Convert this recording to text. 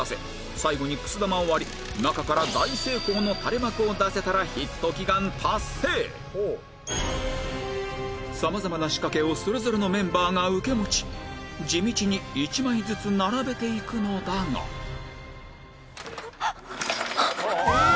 今回の今から中から大成功の垂れ幕を出せたらさまざまな仕掛けをそれぞれのメンバーが受け持ち地道に１枚ずつ並べていくのだがは！